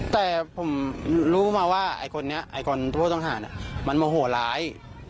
แต่ผมรู้มาว่าไอ้คนนี้ไอ้คนผู้ต้องหาเนี่ยมันโมโหร้าย